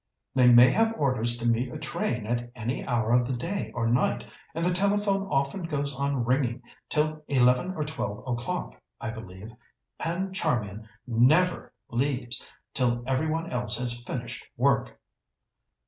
"They may have orders to meet a train at any hour of the day or night, and the telephone often goes on ringing till eleven or twelve o'clock, I believe. And Charmian never leaves till everyone else has finished work."